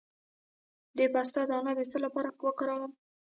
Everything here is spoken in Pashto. د پسته دانه د څه لپاره وکاروم؟